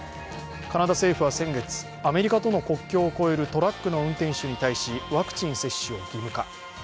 カナダ政府は先月アメリカとの国境を越えるトラックの運転手に対しワクチン接種を義務化。